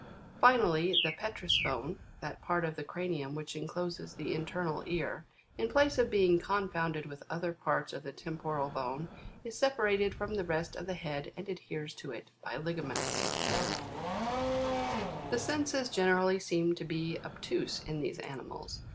Finally, the petrous bone, that part of the cranium which encloses the internal ear, in place of being confounded with other parts of the temporal bone, is separate from the rest of the head, and adheres to it by ligaments 23. The senses generally seem to be obtuse in these animals.